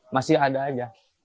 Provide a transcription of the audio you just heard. masih ada saja